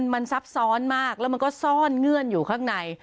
มันซับซ้อนมากแล้วมันก็ซ่อนเงื่อนอยู่ข้างใน